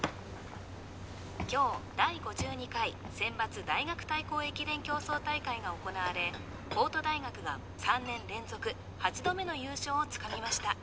今日第５２回選抜大学対校駅伝競走大会が行われ法都大学が３年連続８度目の優勝をつかみました